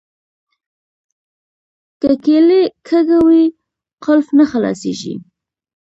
که کیلي کږه وي قلف نه خلاصیږي.